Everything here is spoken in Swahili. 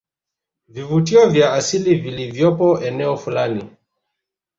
vivuvutio vya asili vilivyopo eneo fulani